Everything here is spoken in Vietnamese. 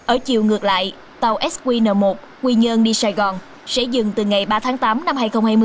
ở chiều ngược lại tàu sqn một quy nhơn đi sài gòn sẽ dừng từ ngày ba tháng tám năm hai nghìn hai mươi